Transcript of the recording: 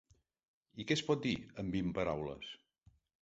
I què es pot dir en vint paraules?